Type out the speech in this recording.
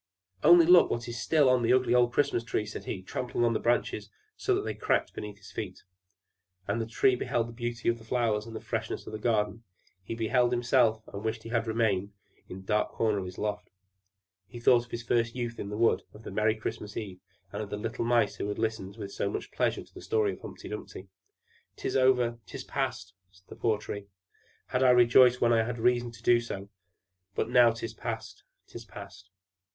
"Only look what is still on the ugly old Christmas tree!" said he, trampling on the branches, so that they all cracked beneath his feet. And the Tree beheld all the beauty of the flowers, and the freshness in the garden; he beheld himself, and wished he had remained in his dark corner in the loft; he thought of his first youth in the wood, of the merry Christmas eve, and of the little Mice who had listened with so much pleasure to the story of Humpy Dumpy. "'Tis over 'tis past!" said the poor Tree. "Had I but rejoiced when I had reason to do so! But now 'tis past, 'tis past!"